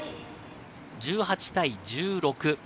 １８対１６。